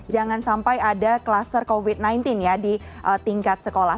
jangan sampai ada kluster covid sembilan belas ya di tingkat sekolah